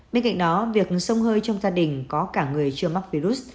bên cạnh đó việc sông hơi trong gia đình có cả người chưa mắc virus